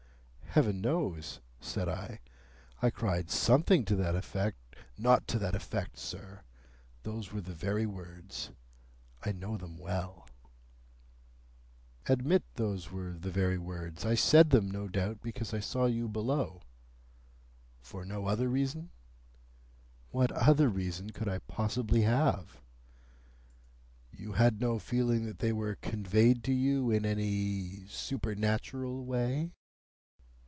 "Heaven knows," said I. "I cried something to that effect—" "Not to that effect, sir. Those were the very words. I know them well." "Admit those were the very words. I said them, no doubt, because I saw you below." "For no other reason?" "What other reason could I possibly have?" "You had no feeling that they were conveyed to you in any supernatural way?"